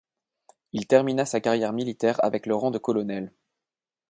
Il termina sa carrière militaire avec le rang de colonel.